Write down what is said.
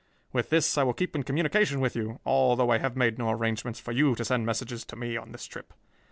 With this I will keep in communication with you, although I have made no arrangements for you to send messages to me on this trip.